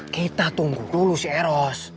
kita tunggu dulu si eros